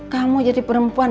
kamu jadi perempuan